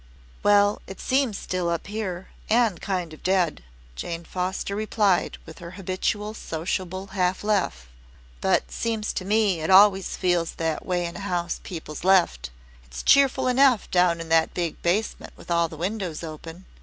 "Well, it seems still up here and kind of dead," Jane Foster replied with her habitual sociable half laugh. "But seems to me it always feels that way in a house people's left. It's cheerful enough down in that big basement with all the windows open.